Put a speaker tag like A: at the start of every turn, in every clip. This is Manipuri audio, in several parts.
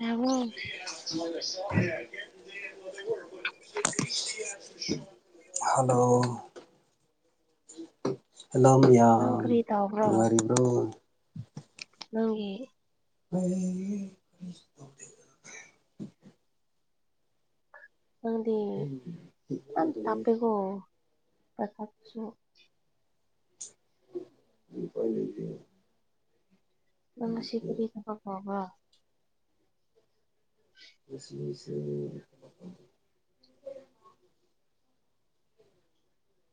A: ꯔꯥꯍꯨꯜ
B: [unintelligible] [unintelligible] ꯍꯜꯂꯣ ꯍꯜꯂꯣ
A: ꯅꯪ
B: ꯃꯌꯥꯝ
A: ꯀꯔꯤ ꯇꯧꯕ꯭ꯔꯣ
B: ꯅꯨꯡꯉꯥꯏꯔꯤꯕ꯭ꯔꯣ
A: ꯅꯪꯒꯤ
B: [unintelligible]
A: ꯅꯪꯗꯤ ꯌꯥꯝ ꯇꯥꯞꯄꯦꯀꯣ [unintelligible]
B: [inaudible] ꯎꯄꯥꯏ ꯂꯩꯇꯦ
A: ꯅꯪ ꯉꯁꯤ ꯀꯔꯤ ꯊꯕꯛ ꯇꯧꯕ꯭ꯔꯥ
B: ꯉꯁꯤꯁꯤ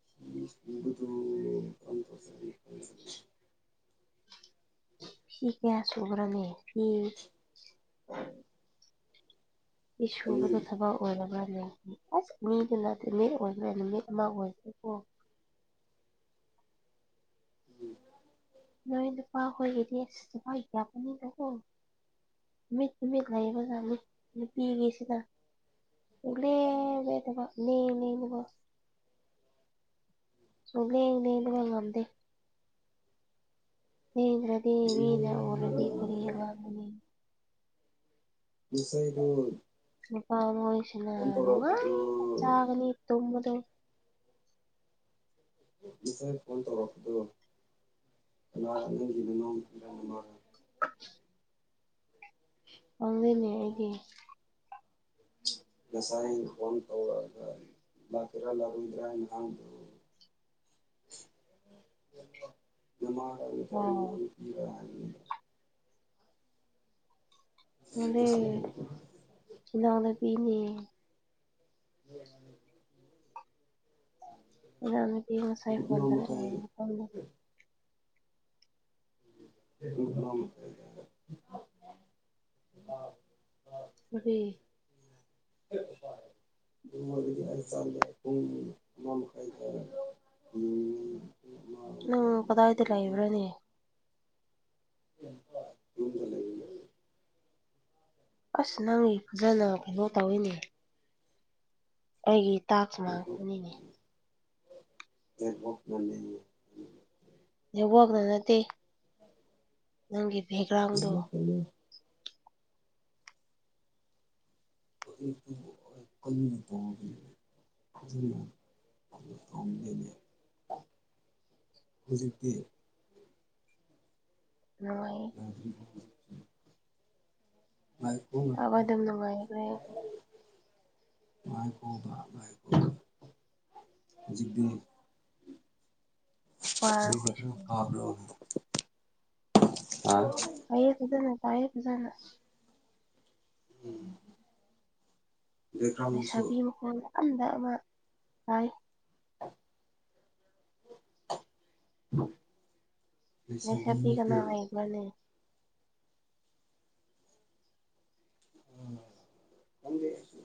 B: [unintelligible]
A: ꯐꯤ ꯀꯌꯥ ꯁꯨ꯭ꯕꯔꯥꯅꯦ ꯐꯤ ꯐꯤ ꯁꯨꯕꯗꯥ ꯊꯕꯛ ꯑꯣꯏꯔꯕ꯭ꯔꯥꯅꯦ ꯑꯁ ꯃꯤꯗꯨꯅ [unintelligible] ꯅꯨꯃꯤꯠ ꯑꯃ [unintelligible]
B: [inaudible]
A: ꯅꯣꯏ ꯅꯨꯄꯥ ꯍꯣꯏꯒꯤꯗꯤ [unintelligible] ꯀꯣ ꯃꯤꯠ ꯇꯨꯃꯤꯠ ꯂꯩꯕꯖꯥꯠꯅꯤ ꯅꯨꯄꯤꯒꯤꯁꯤꯅ ꯁꯨꯡꯂꯦꯞ ꯂꯦꯞꯇꯕ ꯂꯦꯜꯂꯦꯕꯀꯣ ꯁꯨꯡꯂꯦꯡ ꯂꯦꯡꯕꯒ ꯉꯝꯗꯦ ꯂꯦꯡꯗ꯭ꯔꯥꯗꯤ ꯃꯤꯅ ꯎꯔꯗꯤ ꯀꯔꯤ [unintelligible]
B: ꯉꯥꯁꯥꯩꯗꯨ
A: ꯅꯨꯄꯥ ꯃꯣꯏꯁꯤꯅ ꯅꯨꯡꯉꯥꯏꯅ ꯆꯒꯥꯅꯤ ꯇꯨꯝꯕꯗꯣ
B: ꯉꯁꯥꯏ ꯐꯣꯟ ꯇꯧꯔꯛꯄꯗꯣ ꯀꯅꯥꯔ ꯅꯪꯒꯤ ꯅꯅꯥꯎ ꯅꯨꯄꯤꯔꯥ [unintelligible]
A: ꯄꯪꯗꯦꯅꯦ ꯑꯩꯗꯤ
B: ꯉꯁꯥꯏ ꯐꯣꯟ ꯇꯧꯔꯥꯛꯑꯒꯥ ꯂꯥꯛꯀꯦꯔꯥ ꯂꯥꯛꯑꯣꯏꯗ꯭ꯔꯥꯅ ꯍꯥꯡꯗꯣ
A: ꯑꯣ
B: [unintelligible]
A: ꯃꯨꯟꯗꯦ
B: ꯉꯁꯥꯏ
A: ꯏꯅꯥꯎꯅꯨꯄꯤꯅꯦ
B: [inaudible]
A: ꯏꯅꯥꯎꯅꯨꯄꯤ ꯉꯁꯥꯏ
B: ꯄꯨꯡ
A: ꯐꯣꯟ
B: ꯑꯃ ꯃꯈꯥꯏ
A: ꯇꯧꯔꯛꯑꯦ [inaudible]
B: [inaudible]
A: [inaudible]
B: [inaudible] [inaudible] [unintelligible] ꯄꯨꯡ ꯑꯃ ꯃꯈꯥꯏ ꯇꯥꯔꯦ ꯎꯝ
A: ꯅꯪ ꯀꯗꯥꯏꯗꯥ ꯂꯩꯕ꯭ꯔꯅꯦ
B: [unintelligible] ꯌꯨꯝꯗ ꯂꯩ
A: ꯑꯁ ꯅꯪꯒꯤ ꯈꯣꯟꯖꯦꯜꯅ ꯀꯩꯅꯣ ꯇꯧꯋꯦꯅꯦ ꯑꯩꯒꯤ ꯇꯥꯛꯁ ꯉꯥꯛꯇꯥꯅꯤꯅꯦ
B: [inaudible]
A: ꯅꯦꯠꯋꯥꯛꯅ ꯅꯠꯇꯦ ꯅꯪꯒꯤ ꯕꯦꯛꯒ꯭ꯔꯥꯎꯟꯗꯣ
B: [inaudible] [inaudible] [unintelligible] [inaudible] ꯍꯨꯖꯤꯛꯇꯤ
A: [inaudible]
B: ꯉꯥꯏꯈꯨꯋꯣ
A: ꯇꯥꯕ
B: ꯉꯥꯏꯈꯨꯋꯣ
A: ꯑꯗꯨꯝ ꯅꯨꯡꯉꯥꯏꯈ꯭ꯔꯦ
B: ꯉꯥꯏꯈꯣꯕꯥ ꯉꯥꯏꯈꯣꯕꯥ ꯍꯨꯖꯤꯛꯗꯤ
A: ꯄꯥꯔ
B: ꯍꯨꯖꯤꯛꯗꯤ
A: ꯑꯩꯈꯣꯏꯁꯨ
B: ꯈꯔ ꯐꯥꯕ꯭ꯔꯣ [inaudible]
A: ꯇꯥꯏꯌꯦ ꯐꯖꯟꯅ ꯇꯥꯢꯌꯦ ꯐꯖꯟꯅ
B: ꯎꯝ
A: ꯂꯩꯁꯥꯕꯤ ꯃꯈꯣꯟ [unintelligible] ꯑꯃ ꯇꯥꯏ
B: [inaudible] ꯂꯩꯁꯥꯕꯤ ꯅꯠꯇꯦ
A: ꯃꯥꯅꯦ
B: [inaudible] ꯈꯪꯗꯦ ꯑꯩꯁꯨ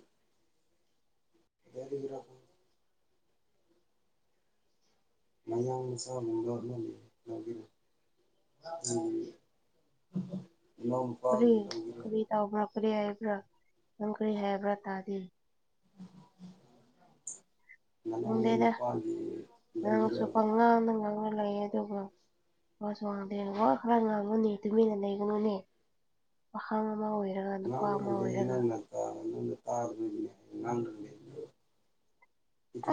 B: [unintelligible] ꯃꯌꯥꯡ ꯃꯆꯥꯥ [inaudible] [unintelligible] ꯎꯝ [inaudible]
A: ꯀꯔꯤ ꯀꯔꯤꯇꯧꯕ꯭ꯔꯥ ꯀꯔꯤ ꯍꯥꯏꯕ꯭ꯔꯥ ꯅꯪ ꯀꯔꯤ ꯍꯥꯏꯕ꯭ꯔꯥ ꯇꯥꯗꯦ
B: [inaudible] ꯅꯅꯥꯎ ꯅꯨꯄꯥꯒꯤ
A: [inaudible] ꯅꯪꯁꯨ
B: ꯂꯧꯒꯦꯔꯥ
A: ꯄꯉꯥꯡꯗ ꯉꯥꯡꯉ ꯂꯩꯌꯦ ꯑꯗꯨꯒ ꯋꯥꯁꯨ ꯉꯥꯡꯗꯦ ꯋꯥ ꯈꯔ ꯉꯥꯡꯉꯨꯅꯦ ꯇꯨꯃꯤꯟꯅ ꯂꯩꯒꯅꯨꯅꯦ ꯄꯥꯈꯪ ꯑꯃ ꯑꯣꯏꯔꯒ ꯅꯨꯄꯥ ꯑꯃ
B: ꯉꯥꯡꯔꯒ ꯂꯩꯌꯦ
A: ꯑꯣꯏꯔꯒ
B: [inaudible] [unintelligible]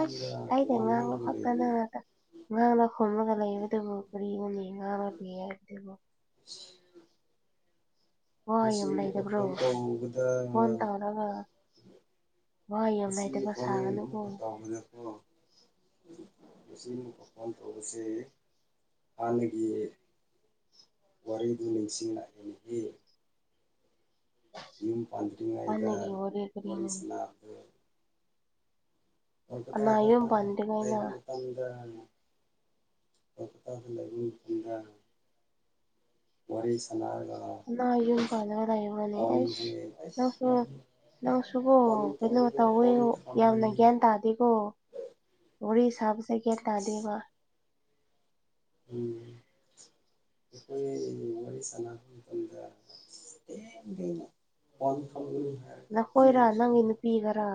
A: ꯑꯁ ꯑꯩꯅ
B: ꯋꯥ
A: ꯉꯥꯡꯕ
B: ꯉꯥꯡꯂꯒ
A: ꯈꯛꯇ
B: ꯂꯩꯕꯅꯦ
A: ꯅꯪꯅ ꯉꯥꯡꯅ ꯈꯨꯝꯃꯒ ꯂꯩꯕꯗꯨꯕꯨ ꯀꯔꯤꯅꯣꯅꯦ ꯉꯥꯡꯅ ꯂꯩ ꯍꯥꯏꯕꯗꯨꯕꯨ ꯋꯥ
B: ꯉꯁꯤ
A: ꯌꯥꯝ
B: ꯑꯃꯨꯛꯀ
A: ꯂꯩꯗꯕ꯭ꯔꯣ
B: ꯐꯣꯟ ꯇꯧꯕꯗ
A: ꯐꯣꯟ ꯇꯧꯔꯒ ꯋꯥ ꯌꯥꯝ
B: ꯉꯁꯤ
A: ꯂꯩꯇꯕ
B: ꯐꯣꯟ
A: ꯁꯥꯒꯅꯨꯀꯣ
B: ꯑꯃꯨꯛꯀ ꯇꯧꯕꯅꯦꯀꯣ ꯉꯁꯤ [inaudible] ꯇꯧꯕꯁꯦ ꯍꯥꯟꯅꯒꯤ ꯋꯥꯔꯤꯗꯨ ꯅꯤꯡꯁꯤꯡꯂꯛꯑꯦ ꯍꯦ ꯌꯨꯝ ꯄꯥꯟꯗꯔꯤꯉꯩꯗ
A: ꯍꯥꯟꯅꯒꯤ
B: ꯋꯥꯔꯤ
A: ꯀꯔꯤꯅꯣ
B: ꯁꯅꯥ
A: ꯀꯅꯥ
B: ꯀꯣꯜꯀꯇꯥꯗ
A: ꯌꯨꯝ
B: ꯂꯩꯕ [inaudible]
A: ꯄꯥꯟꯗ꯭ꯔꯤꯉꯩꯅ
B: [unintelligible] ꯀꯣꯜꯀꯇꯥꯗ ꯂꯩꯕ ꯃꯇꯥꯝꯗ ꯋꯥꯔꯤ [unintelligible]
A: ꯅ ꯌꯨꯝ ꯄꯥꯜꯂꯒ ꯂꯩꯔꯤꯕꯅꯤ ꯑꯩꯁ
B: ꯐꯣꯟꯁꯦ
A: ꯅꯪꯁꯨ
B: ꯑꯁ
A: ꯅꯪꯁꯨꯕꯣ
B: ꯐꯣꯟ
A: ꯀꯩꯅꯣ
B: ꯇꯧꯔꯒ
A: ꯇꯧꯋꯦ
B: ꯐꯣꯟ ꯊꯝ
A: ꯌꯥꯝꯅ ꯒ꯭ꯌꯥꯟ ꯇꯥꯗꯦꯀꯣ ꯋꯥꯔꯤ ꯁꯥꯕꯁꯦ ꯒ꯭ꯌꯥꯟ ꯇꯥꯗꯦꯕ
B: ꯎꯝ ꯑꯩꯈꯣꯏ ꯑꯅꯤꯅ ꯋꯥꯔꯤ ꯁꯥꯟꯅꯕ ꯃꯇꯝꯗ ꯗꯦꯡ ꯗꯦꯡꯅ ꯐꯣꯟ ꯊꯝꯒꯅꯨ ꯍꯥꯏ
A: ꯅꯈꯣꯏꯔꯥ ꯅꯪꯒꯤ ꯅꯨꯄꯤꯒꯔꯥ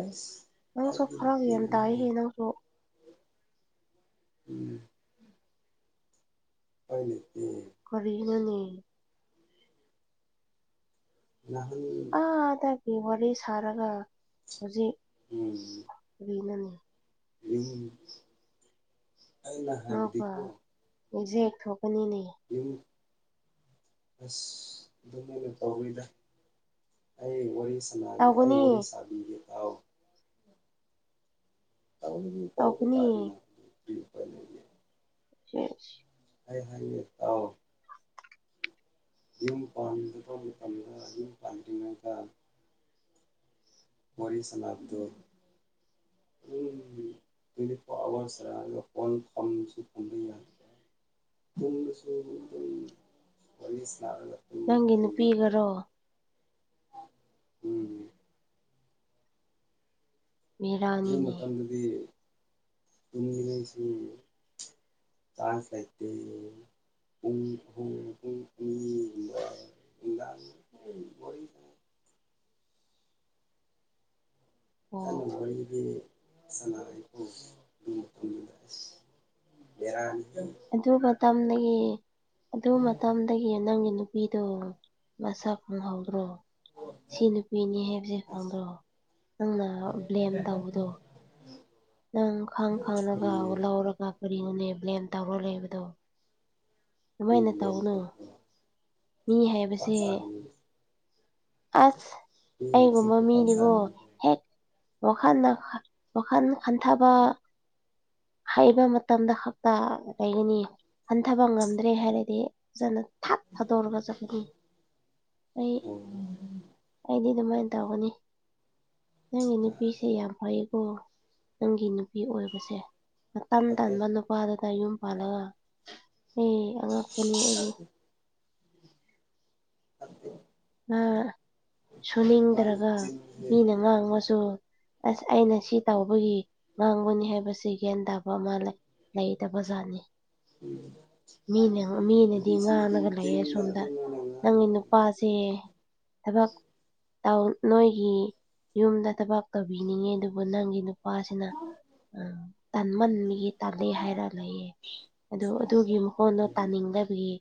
B: ꯑꯁ
A: ꯅꯪꯁꯨ ꯐꯔꯛ
B: ꯑꯩꯒꯤ
A: ꯌꯥꯝ ꯇꯥꯏꯍꯦ
B: [unintelligible]
A: ꯅꯪꯁꯨ
B: ꯎꯝ [unintelligible]
A: ꯀꯔꯤꯅꯣꯅꯦ
B: ꯅꯥꯍꯟ
A: ꯑꯥꯗꯒꯤ ꯋꯥꯔꯤ ꯁꯥꯔꯒ ꯍꯨꯖꯤꯛ
B: ꯎꯝ
A: ꯀꯔꯤꯅꯣꯅꯦ
B: [unintelligible] ꯑꯩꯅ ꯍꯥꯏꯕꯗꯤꯀꯣ
A: [unintelligible] ꯊꯣꯛꯄꯅꯤꯅꯦ
B: ꯌꯨꯝ ꯑꯁ ꯑꯗꯨꯃꯥꯏꯅ ꯇꯧꯔꯤꯗ ꯑꯩ ꯋꯥꯔꯤ ꯁꯥ ꯑꯩ
A: ꯇꯧꯒꯅꯤ
B: ꯋꯥꯔꯤ ꯁꯥꯕꯤꯒꯦ ꯇꯥꯎ ꯇꯧꯕꯨꯗꯤ
A: ꯇꯧꯒꯅꯤ
B: ꯇꯧꯏ [unintelligible]
A: ꯌꯦꯁ
B: ꯑꯩ ꯍꯥꯏꯌꯦ ꯇꯥꯎ ꯌꯨꯝ ꯄꯥꯟꯗꯤꯐꯥꯎ ꯃꯇꯝꯗ ꯌꯨꯝ ꯄꯥꯟꯗ꯭ꯔꯤꯉꯩꯗ ꯋꯥꯔꯤ ꯁꯅꯥꯞꯗꯣ ꯍꯨꯝ ꯇ꯭ꯋꯦꯟꯇꯤ ꯐꯣꯔ ꯑꯋꯥꯔ ꯁꯔꯒ ꯐꯣꯟ ꯊꯝꯁꯤ ꯊꯝꯕꯤ ꯌꯥ [unintelligible]
A: ꯅꯪꯒꯤ ꯅꯨꯄꯤꯒꯔꯣ
B: ꯇꯥꯏꯞꯇ ꯎꯝ ꯍꯨꯖꯤꯛ
A: ꯕꯦꯔꯥꯅꯤꯅꯦ
B: ꯃꯇꯝꯗꯗꯤ ꯇꯨꯝꯅꯤꯡꯂꯁꯨ ꯆꯥꯟꯁ ꯂꯩꯇꯦ ꯌꯦ [unintelligible]
A: ꯑꯣ
B: ꯇꯟꯅ ꯋꯔꯤꯕꯤ ꯁꯅꯄꯗꯦ ꯕꯤꯔꯅꯤ
A: ꯑꯗꯨꯒ ꯇꯝꯅꯥꯌꯦ ꯑꯗꯨ ꯃꯇꯝ ꯑꯩꯒꯤ ꯅꯪꯒꯤ ꯅꯨꯄꯤꯗꯣ ꯃꯁꯛ ꯉꯧꯗꯔꯣ ꯁꯤ ꯅꯨꯄꯤꯅꯤ ꯍꯥꯏꯕꯁꯦ
B: ꯑꯁ
A: ꯈꯪꯗ꯭ꯔꯑꯣ ꯅꯪꯅ ꯕ꯭ꯂꯦꯝ ꯇꯧꯕꯗꯣ ꯅꯪ ꯈꯪ
B: ꯀꯔꯤ
A: ꯈꯪꯅꯥꯒ ꯂꯧꯔꯒ ꯀꯔꯤꯅꯣꯅꯦ ꯕ꯭ꯂꯦꯝ ꯇꯧꯔ ꯂꯩꯕꯗꯣ
B: ꯀꯔꯤ
A: ꯗꯨꯃꯥꯏꯅ
B: ꯕ꯭ꯂꯦꯝ
A: ꯇꯧꯅꯨ
B: ꯇꯧꯕ꯭ꯔꯣ
A: ꯃꯤ
B: ꯈꯨꯄꯥꯛ
A: ꯍꯥꯏꯕꯁꯦ
B: ꯆꯥꯒꯅꯤ
A: ꯑꯁ
B: ꯃꯤ ꯍꯥꯏꯕꯁꯦ
A: ꯑꯩꯒꯨꯝꯕ
B: ꯈꯨꯄꯥꯛ
A: ꯃꯤꯅꯤꯕꯣ
B: ꯆꯥꯒꯅꯤ
A: ꯍꯦꯛ ꯋꯥꯈꯟꯅ ꯋꯥꯈꯟ ꯈꯟꯊꯕ ꯍꯩꯕ ꯃꯇꯝꯗ ꯍꯞꯇ ꯂꯩꯒꯅꯤ ꯍꯟꯊꯕ ꯉꯝꯗ꯭ꯔꯦ ꯍꯥꯏꯔꯗꯤ ꯐꯖꯅ ꯊꯛ ꯊꯥꯗꯣꯔꯒ ꯆꯠꯈꯤꯗꯨꯅꯤ ꯑꯩ
B: [unintelligible]
A: ꯑꯩꯗꯤ ꯗꯨꯃꯥꯏꯅ ꯇꯧꯒꯅꯤ ꯅꯪꯒꯤ ꯅꯨꯄꯤꯁꯦ ꯌꯥꯝ ꯐꯩꯌꯦꯀꯣ ꯅꯪꯒꯤ ꯅꯨꯄꯤ ꯑꯣꯏꯕꯁꯦ ꯅꯇꯟ
B: ꯐꯠꯇꯦ
A: ꯇꯟꯕ ꯅꯨꯄꯥꯗꯨꯗ ꯌꯨꯝ ꯄꯥꯜꯂꯒ ꯍꯤ ꯑꯉꯛꯄꯅꯤ ꯑꯩꯒꯤ
B: ꯐꯠꯇꯦ [unintelligible]
A: ꯅꯥ
B: ꯃꯥꯒꯤ
A: ꯁꯨꯅꯤꯡꯗ꯭ꯔꯒ
B: ꯆꯤꯟꯁꯦ
A: ꯃꯤꯅ ꯉꯥꯡꯕꯁꯨ ꯑꯁ ꯑꯩꯅ ꯁꯤ ꯇꯧꯕꯒꯤ ꯉꯥꯡꯕꯅꯤ ꯍꯥꯏꯕꯁꯤ ꯒ꯭ꯌꯥꯟ ꯇꯥꯕ ꯑꯃ ꯂꯩ ꯂꯩꯇꯕꯖꯥꯠꯅꯤ ꯃꯤꯅ ꯃꯤꯅꯗꯤ
B: ꯅꯨꯄꯤꯁꯤꯡꯗꯤ ꯑꯗꯨꯝ
A: ꯉꯥꯡꯉꯒ ꯂꯩꯌꯦ
B: ꯆꯤꯟꯗ
A: ꯑꯁꯣꯝꯗ
B: ꯑꯗꯨꯝ ꯃꯥꯅ
A: ꯅꯪꯅꯅꯨ
B: ꯉꯥꯡꯉ
A: ꯅꯨꯄꯥꯁꯦ ꯊꯕꯛ ꯇ ꯅꯣꯏꯒꯤ ꯌꯨꯝꯗ ꯊꯕꯛ ꯇꯧꯕꯤꯅꯤꯡꯉꯦ ꯑꯗꯨꯕꯨ ꯅꯪꯒꯤ ꯅꯨꯄꯥꯁꯤꯅ ꯎꯝ ꯇꯟꯃꯟꯕꯒꯤ ꯇꯜꯂꯦ ꯍꯥꯏꯔꯝꯃꯦꯌꯦ ꯑꯗꯨ ꯑꯗꯨꯒꯤ ꯃꯈꯣꯟꯗꯣ
B: ꯂꯩ
A: ꯇꯥꯅꯤꯡꯗꯕꯒꯤ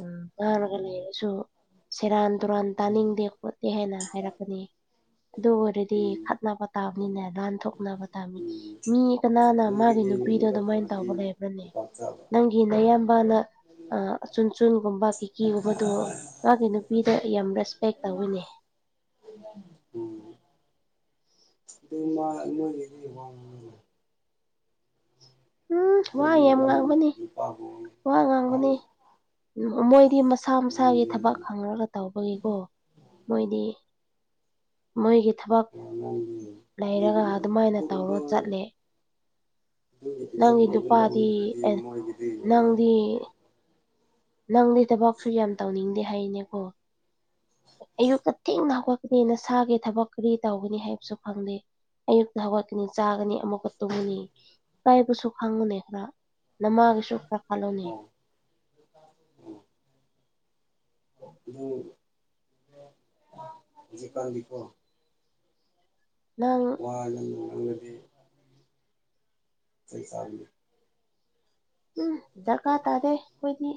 A: ꯎꯪ ꯉꯥꯡꯔꯒ ꯂꯩꯔꯁꯨ ꯁꯦꯔꯥꯟ ꯇꯨꯔꯥꯟ
B: ꯎꯝ
A: ꯇꯥꯅꯤꯡꯗꯦ ꯈꯣꯠꯇꯦ ꯍꯥꯏꯅ ꯍꯥꯏꯔꯛꯀꯅꯤ ꯑꯗꯨ ꯑꯣꯏꯔꯗꯤ
B: ꯎꯝ
A: ꯈꯠꯅꯕ ꯇꯥꯕꯅꯤꯅꯦ ꯂꯥꯟꯊꯣꯛꯅꯕ ꯇꯥꯕꯅꯤ
B: ꯎꯝ
A: ꯃꯤ ꯀꯅꯥꯅ ꯃꯥꯒꯤ
B: ꯑꯗꯨꯗꯒꯤ
A: ꯅꯨꯄꯤꯗꯣ
B: ꯑꯃꯨꯛꯀ
A: ꯑꯗꯨꯃꯥꯏꯅ
B: ꯇꯧꯔꯗꯤ
A: ꯇꯧꯕ ꯂꯩꯕ꯭ꯔꯅꯦ
B: ꯈꯨꯄꯥꯛ ꯆꯥꯕ
A: ꯅꯪ ꯒꯤ ꯅꯌꯥꯝꯕꯅ ꯑ ꯑꯆꯨꯡ ꯆꯨꯡꯒꯨꯝꯕ ꯀꯤꯀꯤꯒꯨꯝꯕꯗꯣ ꯃꯥꯒꯤ ꯅꯨꯄꯤꯗ ꯌꯥꯝ ꯔꯦꯁꯄꯦꯛ ꯇꯧꯋꯤꯅꯦ
B: ꯎꯝ ꯑꯗꯨ ꯃꯥ [unintelligible]
A: ꯎꯝ ꯋꯥ
B: ꯃꯣꯏꯗꯤ
A: ꯌꯥꯝ
B: ꯃꯥꯒꯤ
A: ꯉꯥꯡꯕꯅꯤ
B: ꯅꯨꯄꯥꯕꯨ
A: ꯋꯥ
B: ꯅꯪ
A: ꯉꯥꯡꯕꯅꯤ ꯎꯝ ꯃꯣꯏꯗꯤ ꯃꯁꯥ ꯃꯁꯥꯒꯤ
B: ꯉꯥꯡꯗꯦ
A: ꯊꯕꯛ ꯈꯪꯔꯒ ꯇꯧꯕꯒꯤꯀꯣ ꯃꯣꯏꯗꯤ ꯃꯣꯏꯒꯤ ꯊꯕꯛ
B: ꯋꯥ ꯉꯥꯡꯗꯦ
A: ꯂꯩꯔꯒ
B: ꯑꯗꯨꯒꯤꯅꯦ
A: ꯑꯗꯨꯃꯥꯏꯅ ꯇꯧꯔ ꯆꯠꯂꯦ
B: ꯅꯣꯏꯒꯤ
A: ꯅꯪꯒꯤ
B: ꯑꯦꯛꯖꯥꯝꯄꯜ ꯑꯗꯨ ꯂꯧꯎ ꯍꯥꯏꯔꯗꯤ ꯃꯣꯏꯒꯤꯗꯤ
A: ꯎꯏ ꯅꯪꯗꯤ ꯊꯕꯛꯁꯨ ꯌꯥꯝ ꯇꯧꯅꯤꯡꯗꯦ ꯍꯥꯏꯅꯦꯀꯣ ꯑꯌꯨꯛꯇ ꯊꯦꯡꯅ ꯍꯧꯒꯠꯄꯗꯣ ꯅꯁꯥꯥꯒꯤ ꯊꯕꯛ ꯀꯔꯤ ꯇꯧꯒꯅꯤ ꯍꯥꯏꯕꯁꯨ ꯈꯪꯗꯦ ꯑꯌꯨꯛꯇ ꯍꯧꯒꯠꯀꯅꯤ ꯆꯥꯒꯅꯤ ꯑꯃꯨꯛꯀ ꯇꯨꯝꯉꯅꯤ ꯏꯀꯥꯏꯕꯁꯨ ꯈꯪꯉꯨꯅꯦ ꯈꯔ ꯅꯃꯥꯒꯤꯁꯨ ꯈ꯭ꯔ ꯈꯜꯂꯨꯅꯦ
B: ꯑꯣ ꯑꯣ ꯑꯗꯨ ꯍꯧꯖꯤꯀꯥꯟꯗꯤꯀꯣ
A: ꯅꯪ
B: ꯋꯥ ꯅꯨꯡ ꯉꯥꯡꯂꯗꯤ ꯆꯩꯆꯥꯒꯅꯤ
A: ꯎꯝ ꯗꯔꯀꯥꯔ ꯇꯥꯗꯦ ꯑꯩꯈꯣꯏꯗꯤ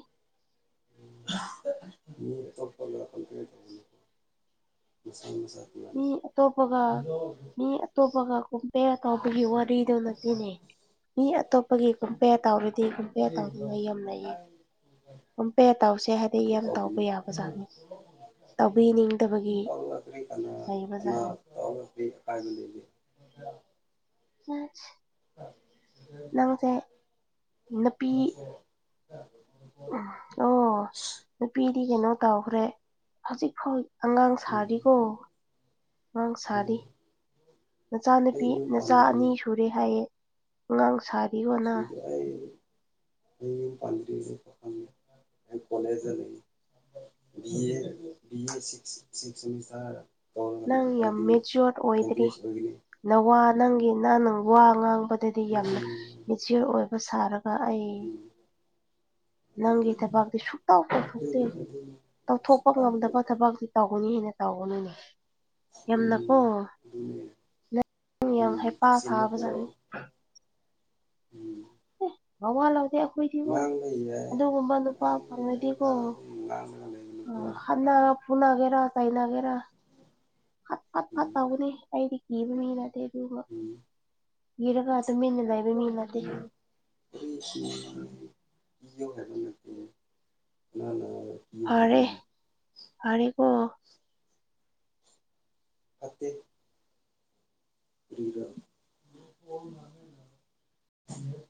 B: ꯃꯤ ꯑꯇꯣꯞꯄ [unintelligible] ꯃꯁꯥ ꯃꯁꯥ ꯇꯣꯉꯥꯟꯅ
A: ꯃꯤ ꯑꯇꯣꯞꯄꯒ
B: ꯑꯗꯨ
A: ꯃꯤ ꯑꯇꯣꯞꯄꯒ ꯀꯨꯝ ꯄꯦꯔ ꯇꯥꯎꯕꯒꯤ ꯋꯥꯔꯤꯗꯨ ꯅꯠꯇꯦꯅꯦ ꯃꯤ ꯑꯇꯣꯞꯄꯒꯤ ꯀꯝꯄꯦꯔ ꯇꯥꯎꯔꯗꯤ ꯄꯦꯔ ꯇꯧꯅꯤꯡꯉꯩ ꯌꯥꯝ ꯂꯩꯌꯦ
B: ꯇꯧꯕꯅꯤ
A: ꯀꯝꯄꯦꯔ ꯇꯧꯁꯦ ꯍꯥꯏꯗꯤ ꯌꯥꯝ ꯇꯧꯕ ꯌꯥꯕ ꯖꯥꯠꯅꯤ ꯇꯧꯕꯤꯅꯤꯡꯗꯕꯒꯤ ꯂꯩꯕꯖꯥꯠꯅꯤ
B: [unintelligible] ꯐꯥꯏꯟ ꯂꯩꯌꯦ
A: ꯅꯪꯁꯦ ꯅꯨꯄꯤ ꯎꯝ ꯑꯣ ꯅꯨꯄꯤꯗꯤ ꯀꯩꯅꯣ ꯇꯧꯈ꯭ꯔꯦ ꯍꯧꯖꯤꯛ ꯐꯥꯎ ꯑꯉꯥꯡ
B: ꯎꯝ
A: ꯁꯥꯔꯤꯀꯣ ꯑꯉꯥꯡ ꯁꯥꯔꯤ
B: ꯎꯝ ꯑꯩ
A: ꯅꯆꯥꯅꯨꯄꯤ
B: ꯌꯨꯝ
A: ꯅꯆꯥ ꯑꯅꯤ
B: ꯄꯥꯟꯗ꯭ꯔꯤꯅꯦ
A: ꯁꯨꯔꯦ ꯍꯥꯏꯌꯦ ꯑꯉꯥꯡ ꯁꯥꯔꯤꯒꯣꯅ
B: ꯑꯥꯏ ꯌꯨꯝ ꯄꯥꯟꯗ꯭ꯔꯤꯁꯨ ꯈꯪꯉꯦ ꯑꯩ ꯀꯣꯂꯦꯁꯇ ꯆꯠꯂꯤꯅꯤ BA BA six six semester
A: ꯅꯪ
B: ꯇꯧꯔꯒ
A: ꯌꯥꯝ
B: ꯍꯥꯏꯗꯤ
A: ꯃꯦꯆꯤꯌꯣꯔ ꯑꯣꯏꯗ꯭ꯔꯤ
B: [unintelligible]
A: ꯅꯋꯥ ꯅꯪꯒꯤ ꯅꯪꯅ ꯋꯥ ꯉꯥꯡꯕꯗꯗꯤ ꯌꯥꯝꯅ ꯃꯦꯆꯤꯌꫭꯔ ꯑꯣꯏꯕ ꯁꯥꯔꯛ ꯄ ꯑꯩ ꯅꯪꯒꯤ ꯊꯕꯛꯇꯤ ꯁꯨꯛꯇꯥꯎ ꯇꯧꯊꯣꯛꯇꯦ ꯇꯧꯊꯣꯛꯄ
B: ꯁꯨꯛꯇꯧ
A: ꯉꯝꯗꯕ
B: ꯇꯧꯗꯦ
A: ꯊꯕꯛ ꯇꯧꯒꯅꯤꯅꯦ ꯇꯧꯒꯅꯤꯅꯦ ꯌꯥꯝꯅꯀꯣ
B: ꯎꯝ ꯑꯗꯨꯅꯦ
A: ꯅꯪ ꯌꯥꯝ
B: ꯎꯝ
A: ꯍꯩꯄꯥ
B: ꯆꯦꯛꯁꯤꯜꯂꯨꯀꯣ
A: ꯁꯥꯕꯖꯥꯠꯅꯤ
B: ꯎꯝ
A: ꯅꯋꯥ ꯂꯧꯗꯦ ꯑꯩꯈꯣꯏꯗꯤꯀꯣ
B: ꯉꯥꯡꯕ ꯌꯥꯏ
A: ꯑꯗꯨꯒꯨꯝꯕ ꯅꯨꯄꯥ
B: ꯉꯥꯡꯕ ꯌꯥꯏ
A: ꯐꯪꯉꯗꯤꯀꯣ
B: ꯉꯥꯡ ꯑꯗꯨꯝ ꯉꯥꯡꯔꯒ ꯂꯩꯒꯅꯨꯀꯣ
A: ꯍꯠꯅ ꯐꯨꯅꯒꯦꯔꯥ ꯆꯩꯥꯅꯒꯦꯔꯥ ꯐꯠ ꯐꯠ ꯐꯠ
B: ꯎꯝ
A: ꯇꯧꯒꯅꯤ ꯑꯩꯗꯤ ꯀꯤꯕ ꯃꯤꯅꯠꯇꯦ ꯑꯗꯨꯒ
B: ꯎꯝ
A: ꯀꯤꯔꯒ ꯇꯨꯃꯤꯟꯅ ꯂꯩꯕ ꯃꯤ ꯅꯠꯇꯦ
B: [unintelligible]
A: ꯐꯔꯦ ꯐꯔꯦꯀꯣ
B: ꯑꯩꯗꯤ ꯐꯔꯤꯗ